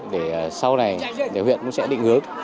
để sau này huyện cũng sẽ định ước